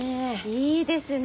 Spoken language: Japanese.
いいですね